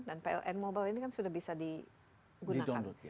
dan pln mobile ini kan sudah bisa digunakan